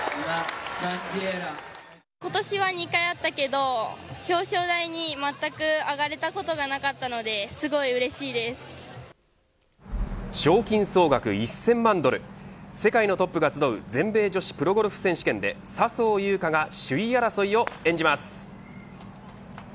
今年は２回あったけど表彰台に全く上がれたことがなかったので賞金総額１０００万ドル世界のトップが集う全米女子プロゴルフ選手権で笹生優花が首位争いを演じます。